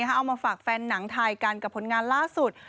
เอามาฝากแฟนหนังไทยกันกับผลงานล่าสุด